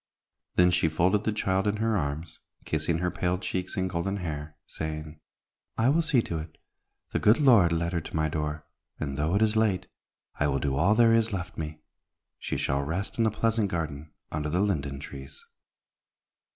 Then she folded the child in her arms, kissing her pale cheeks and golden hair, saying, "I will see to it. The good Lord led her to my door, and, though it is late, I will do all there is left me. She shall rest in the pleasant garden under the linden trees."